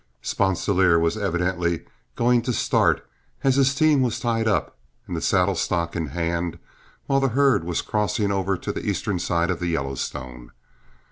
Sponsilier was evidently going to start, as his team was tied up and the saddle stock in hand, while the herd was crossing over to the eastern side of the Yellowstone.